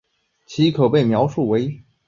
其可被描述为可观测变异。